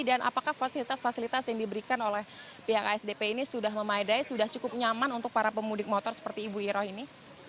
dan apakah fasilitas fasilitas yang diberikan oleh pihak asdp ini sudah memaidai sudah cukup nyaman untuk para pemudik motor seperti ibu iroh ini